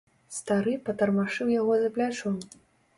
Стары патармашыў яго за плячо.